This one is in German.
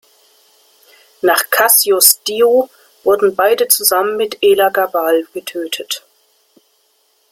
Nach Cassius Dio wurden beide zusammen mit Elagabal getötet.